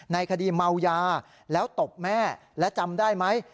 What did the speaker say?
ในคดีเมายาแล้วตบแม่และจำได้ไหม